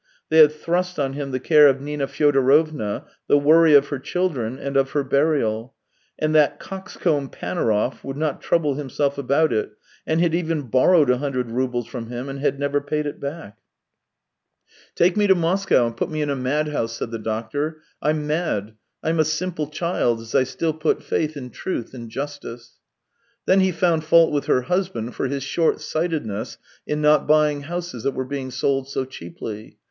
They had thrust on him the care of Nina Fyodorovna. the worry of her children, and of her burial; and that coxcomb Panaurov would not trouble himself about it, and had even borrowed a hundred roubles from him and iiad never paid it back. 268 THE TALES OF TCHEHOV " Take me to Moscow and put me in a mad house," said the doctor. " I'm mad; I'm a simple child, as I still put faith in truth and justice." Then he found fault with her husband for his short sightedness in not buying houses that were being sold so cheaply.